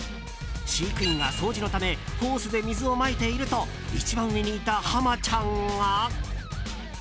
飼育員が掃除のためホースで水をまいていると一番上にいたハマちゃんが。